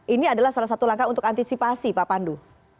ini adalah salah satu langkah untuk antisipasi pak pandu